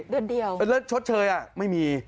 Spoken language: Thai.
เดือนเดียวชดเชยไม่มี